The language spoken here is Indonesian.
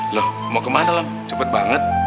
loh mau kemana lam cepat banget